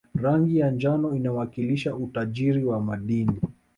rangi ya njano inawakilisha utajiri wa madini